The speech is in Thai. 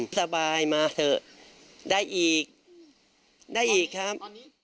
สบายมาเถอะได้อีกได้อีกครับ